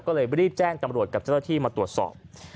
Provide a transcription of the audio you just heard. ก็เลยรีบแจ้งตำรวจกับเจ้าหน้าที่มาตรวจสอบ